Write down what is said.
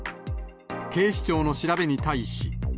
警視庁の調べに対し。